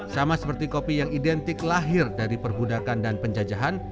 sama seperti kopi yang identik lahir dari perbudakan dan penjajahan